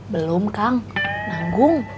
belum kang nanggung